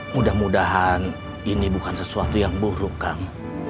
mudah mudahan ini bukan sesuatu yang buruk kang